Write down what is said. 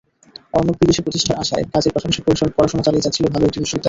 অর্ণব বিদেশে প্রতিষ্ঠার আশায় কাজের পাশাপাশি পড়াশোনা চালিয়ে যাচ্ছিল ভালো একটি বিশ্ববিদ্যালয়ে।